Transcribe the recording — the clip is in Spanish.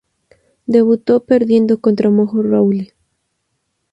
Debutó perdiendo contra Mojo Rawley.